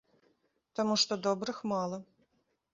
Таму што добрых мала.